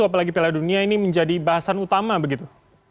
apalagi piala dunia ini menjadi bahasan utama begitu